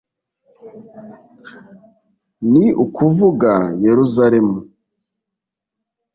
ni ukuvuga yeruzalemu